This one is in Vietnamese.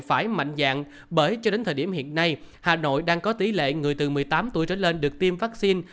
phải mạnh dạng bởi cho đến thời điểm hiện nay hà nội đang có tỷ lệ người từ một mươi tám tuổi trở lên được tiêm vaccine